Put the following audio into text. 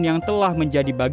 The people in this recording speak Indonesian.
yang telah menjadi bagiannya